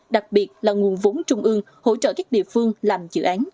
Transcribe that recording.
đặc biệt là nguồn vốn trung ương hỗ trợ các địa phương